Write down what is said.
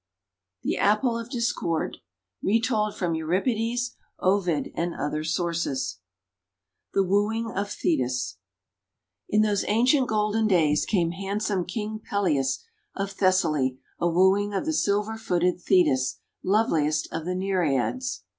THE APPLE OF DISCORD Retold from Euripides, Ovid, and Other Sources THE WOOING OF THETIS IN those ancient golden days, came handsome King Peleus of Thessaly a wooing of the silver footed Thetis, loveliest of the Nereids.